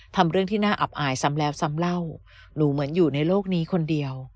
ทำเรื่องที่น่าอับอายซ้ำแล้วซ้ำเล่าหนูเหมือนอยู่ในโลกนี้คนเดียว